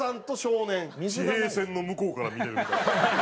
地平線の向こうから見てるみたい。